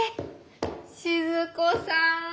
静子さん